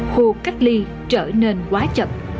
hồ cách ly trở nên khó khăn